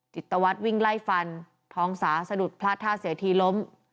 จิตวัตรวิ่งไล่ฟันทองสาสะดุดพลาดท่าเสียทีล้ม